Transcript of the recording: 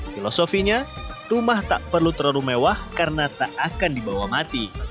filosofinya rumah tak perlu terlalu mewah karena tak akan dibawa mati